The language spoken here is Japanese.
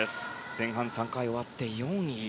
前半３回終わって４位。